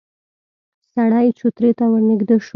سړی چوترې ته ورنږدې شو.